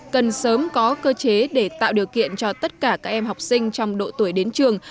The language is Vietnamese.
cần sớm có cơ chế để tạo điều kiện cho tất cả các em học sinh trong độ tuổi đến trường